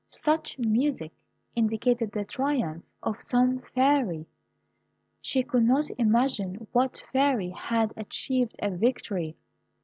Such music indicated the triumph of some Fairy. She could not imagine what Fairy had achieved a victory.